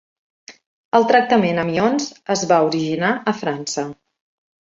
El tractament amb ions es va originar a França.